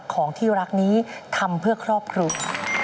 ของที่รักนี้ทำเพื่อครอบครัว